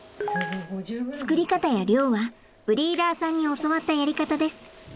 作り方や量はブリーダーさんに教わったやり方です。